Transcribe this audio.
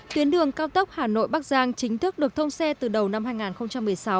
tuyến đường cao tốc hà nội bắc giang chính thức được thông xe từ đầu năm hai nghìn một mươi sáu